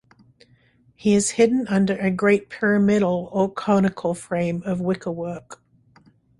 He is hidden under a great pyramidal or conical frame of wickerwork.